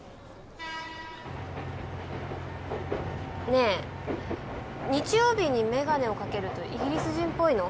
ねえ日曜日に眼鏡をかけるとイギリス人っぽいの？